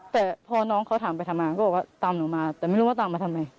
แต่พอน้องเขาถามไปถามมาก็บอกว่าตามหนูมาแต่ไม่รู้ว่าตามมาทำไม